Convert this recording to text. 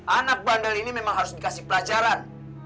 anak bandel ini memang harus dikasih pelajaran